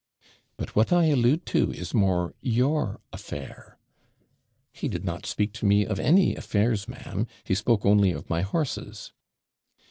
'But what I allude to is more your affair.' 'He did not speak to me of any affairs, ma'am he spoke only of my horses.'